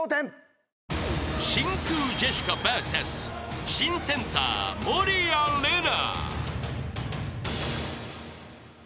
［真空ジェシカＶＳ新センター守屋麗奈］